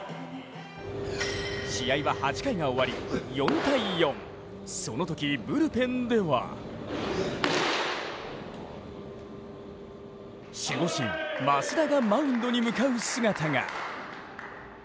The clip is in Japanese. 試合は８回が終わり４−４そのときブルペンでは守護神・益田がマウンドに向かう姿が。